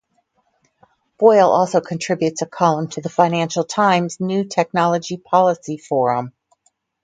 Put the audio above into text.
Boyle also contributes a column to the "Financial Times" New Technology Policy Forum.